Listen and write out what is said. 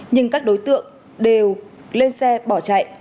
nhưng các đối tượng đều lên xe bỏ chạy